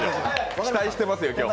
期待してますよ、今日も。